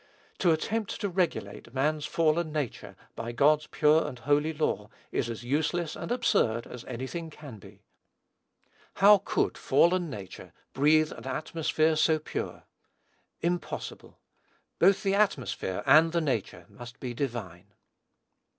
To attempt to regulate man's fallen nature by God's pure and holy law, is as useless and absurd as any thing can be. How could fallen nature breathe an atmosphere so pure? Impossible. Both the atmosphere and the nature must be divine.